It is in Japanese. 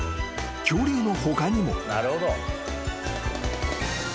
［恐竜の他にも］